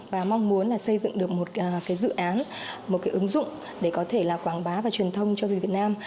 và mong muốn là xây dựng được một cái dự án một cái ứng dụng để có thể là quảng bá và truyền thông cho du lịch việt nam